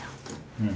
うん。